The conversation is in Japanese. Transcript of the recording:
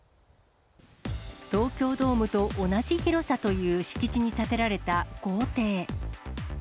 東京ドームと同じ広さという敷地に建てられた豪邸。